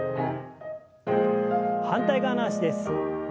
反対側の脚です。